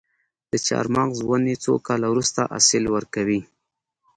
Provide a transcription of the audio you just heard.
د چهارمغز ونې څو کاله وروسته حاصل ورکوي؟